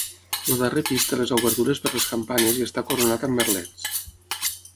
El darrer pis té les obertures per les campanes i està coronat amb merlets